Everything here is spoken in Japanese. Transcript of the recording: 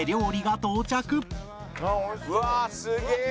うわあすげえ！